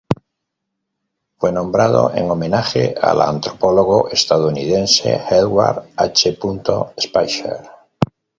Fue nombrado en homenaje al antropólogo estadounidense Edward H. Spicer.